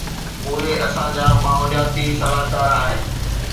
اهي اسان جا ماحولياتي صلاحڪار آهن.